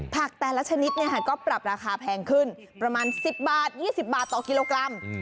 แต่ละชนิดก็ปรับราคาแพงขึ้นประมาณ๑๐บาท๒๐บาทต่อกิโลกรัม